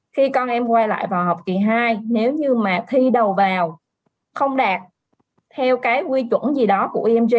khi con em quay lại vào học kỳ hai nếu như mà thi đầu vào không đạt theo cái quy chuẩn gì đó của mg